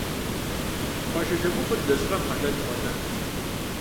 Къуажэ жэмыхъуэр и лэжьыгъэм хьэлэлу бгъэдэтт.